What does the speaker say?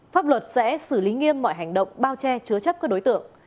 pháp luật sẽ xử lý nghiêm mọi hành động bao che chứa chấp các đối tượng